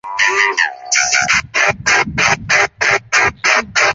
乌埃尔森是德国下萨克森州的一个市镇。